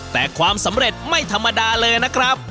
แต่ความสำเร็จไม่ธรรมดาเลยนะครับ